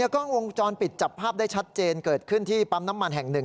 กล้องวงจรปิดจับภาพได้ชัดเจนเกิดขึ้นที่ปั๊มน้ำมันแห่งหนึ่ง